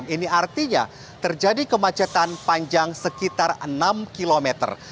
ini artinya terjadi kemacetan panjang sekitar enam kilometer